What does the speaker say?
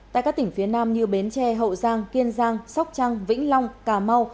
tại các tỉnh phía nam như bến tre hậu giang kiên giang sóc trăng vĩnh long cà mau